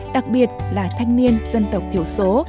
đặc biệt là thanh niên dân tộc thiểu số